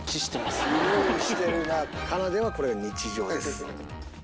かなではこれが日常です。